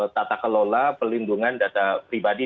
tata kelola pelindungan data pribadi